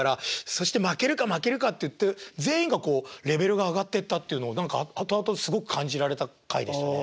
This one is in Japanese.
そして負けるか負けるかっていって全員がこうレベルが上がってったっていうのを何か後々すごく感じられた会でしたね。